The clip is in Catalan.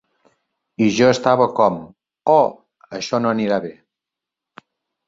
I jo estava com, oh... això no anirà bé.